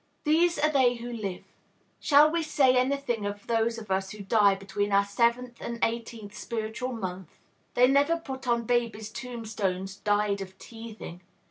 These are they who live. Shall we say any thing of those of us who die between our seventh and eighteenth spiritual month? They never put on babies' tombstones "Died of teething."